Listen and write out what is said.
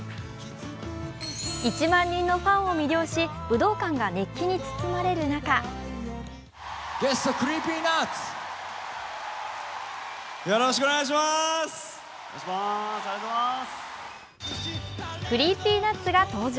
１万人のファンを魅了し武道館が熱気に包まれる中ＣｒｅｅｐｙＮｕｔｓが登場。